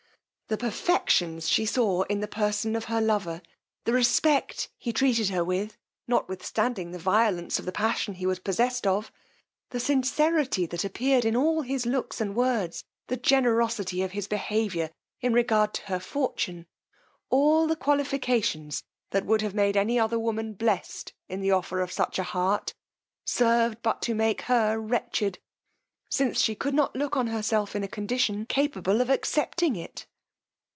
The perfections she saw in the person of her lover; the respect he treated her with, notwithstanding the violence of the passion he was possessed of; the sincerity that appeared in all his looks and words; the generosity of his behaviour in regard to her fortune; all the qualifications that would have made any other woman blessed in the offer of such a heart, served but to make her wretched, since she could not look on herself in a condition capable of accepting it.